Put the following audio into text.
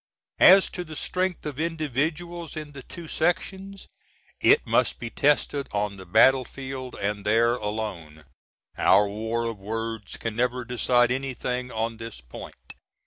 As to the strength of individuals in the two sections, it must be tested on the battle field, and there alone. Our war of words can never decide anything on this point.